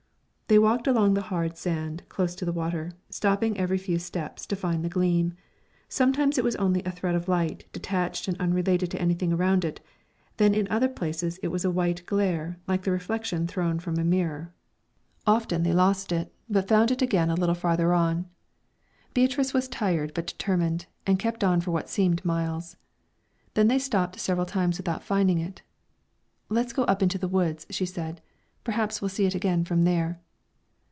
They walked along the hard sand, close to the water, stopping every few steps to find the gleam. Sometimes it was only a thread of light, detached and unrelated to anything around it, then in other places it was a white glare, like the reflection thrown from a mirror. Often they lost it, but found it again a little farther on. Beatrice was tired but determined, and kept on for what seemed miles. Then they stopped several times without finding it. "Let's go up into the woods," she said; "perhaps we'll see it again from there."